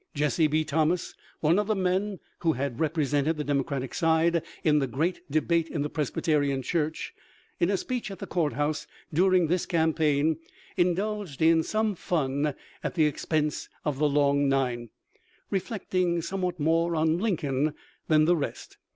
Jesse B. Thomas, one of the men who had represented the Dem ocratic side in the great debate in the Presbyterian Church, in a speech at the court house during this campaign, indulged in some fun at the expense of the " Long Nine," reflecting somewhat more on Lincoln than the rest.